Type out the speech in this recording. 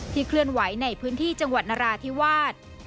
เคลื่อนไหวในพื้นที่จังหวัดนราธิวาส